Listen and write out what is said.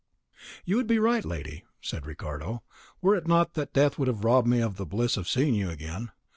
"You would be right, lady," said Ricardo, "were it not that death would have robbed me of the bliss of seeing you again.